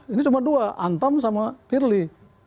ini cuma dua antam sama firly